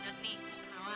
ngar nih kenalan